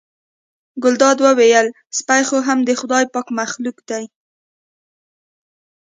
ګلداد وویل سپی خو هم د خدای پاک مخلوق دی.